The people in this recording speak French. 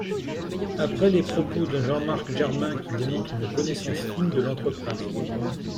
Après les propos de Jean-Marc Germain, Qui démontrent une connaissance fine de l’entreprise